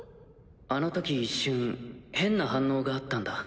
あのとき一瞬変な反応があったんだ。